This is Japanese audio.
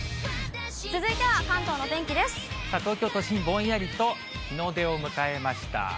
東京都心、ぼんやりと日の出を迎えました。